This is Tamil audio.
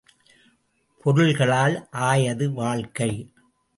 பொருள்களால் ஆயது வாழ்க்கை.